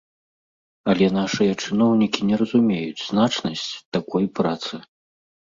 Але нашыя чыноўнікі не разумеюць значнасць такой працы.